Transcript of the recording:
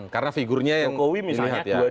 karena figurnya yang dilihat ya